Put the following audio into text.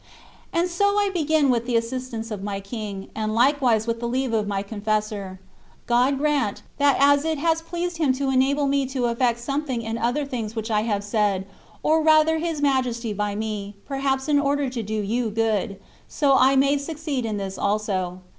And so I begin with the assistance of my King, and likewise with the leave of my confessor. God grant, that as it has pleased Him to enable me to effect something in other things which I have said, or rather His Majesty by me (perhaps in order to do you good), so I may succeed in this also.